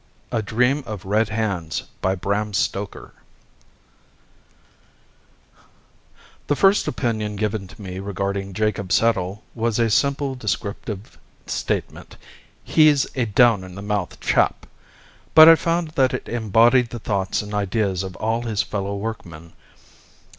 A Dream of Red Hands The first opinion given to me regarding Jacob Settle was a simple descriptive statement, "He's a down in the mouth chap": but I found that it embodied the thoughts and ideas of all his fellow workmen.